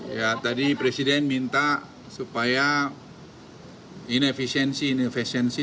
ya tadi presiden minta supaya ini efisiensi ini efisiensi